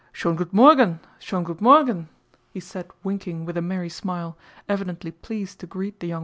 "Schön gut Morgen! Schön gut Morgen!" * he said winking with a merry smile, evidently pleased to greet the young man.